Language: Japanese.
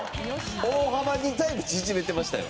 大幅にタイム縮めてましたよ。